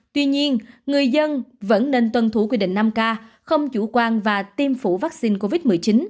tuy nhiên người dân vẫn nên tuân thủ quy định năm k không chủ quan và tiêm phủ vaccine covid một mươi chín